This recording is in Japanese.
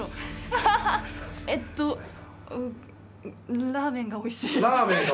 えっとラーメンがおいしい。